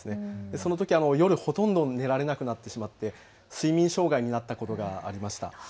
そのとき夜、ほとんど寝られなくなってしまって睡眠障害になったことがありました。